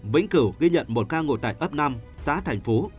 vĩnh cửu ghi nhận một ca ngộ tại ấp năm xã thành phú